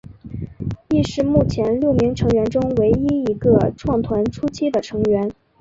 亦是目前六名成员中唯一一个创团初期的成员。